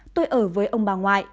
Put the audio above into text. tôi ở với ông bà ngoại